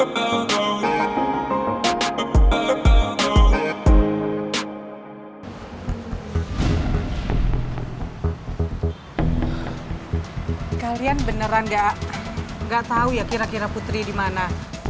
kalian beneran gak tau ya kira kira putri dimana